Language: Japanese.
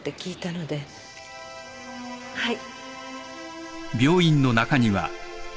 はい